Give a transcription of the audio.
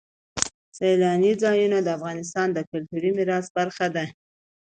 سیلانی ځایونه د افغانستان د کلتوري میراث برخه ده.